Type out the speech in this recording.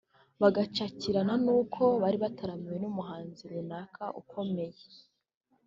bagacakirana nuko bari butaramirwe n’umuhanzi runaka ukomeye